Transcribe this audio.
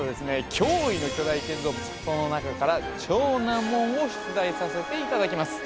驚異の巨大建造物その中から超難問を出題させていただきます